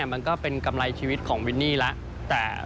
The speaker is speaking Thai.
มันก็เป็นกำไรชีวิตของมินนี่แล้ว